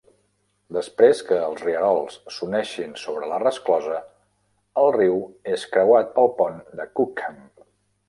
Després que els rierols s'uneixin sobre la resclosa, el riu és creuat pel pont de Cookham.